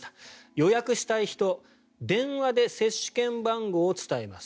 予約したい人は電話で接種券番号を伝えます。